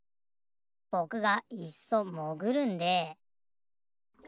ぼくがいっそもぐるんで。